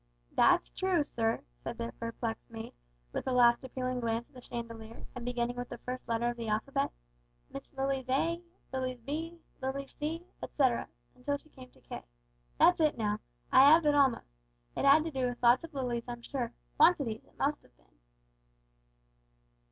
"That's true, sir," said the perplexed maid, with a last appealing gaze at the chandelier, and beginning with the first letter of the alphabet Miss Lilies A Lilies B Lilies C , etcetera, until she came to K. "That's it now. I 'ave it almost. It 'ad to do with lots of lilies, I'm quite sure quantities, it must 'ave been."